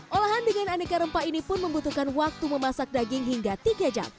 olahan dengan aneka rempah ini pun membutuhkan waktu memasak daging hingga tiga jam